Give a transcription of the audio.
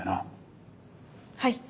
はい。